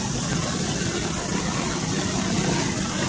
kota yang terkenal dengan